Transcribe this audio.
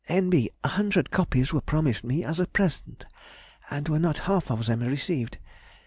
N.B.—A hundred copies were promised me as a present, and were not half of them received.